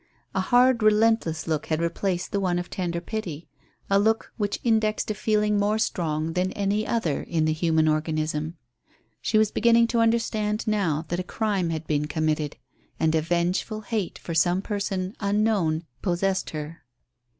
A hard, relentless look had replaced the one of tender pity a look which indexed a feeling more strong than any other in the human organism. She was beginning to understand now that a crime had been committed, and a vengeful hate for some person unknown possessed her.